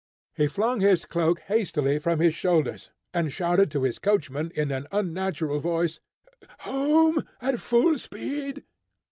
He flung his cloak hastily from his shoulders and shouted to his coachman in an unnatural voice, "Home at full speed!"